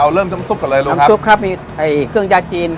เอาเริ่มน้ำซุปก่อนเลยลูกน้ำซุปครับมีไอ้เครื่องยาจีน